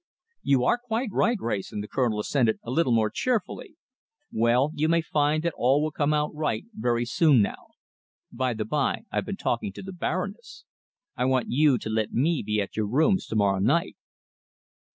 "You are quite right, Wrayson," the Colonel assented, a little more cheerfully. "Well, you may find that all will come right very soon now. By the by, I've been talking to the Baroness. I want you to let me be at your rooms to morrow night."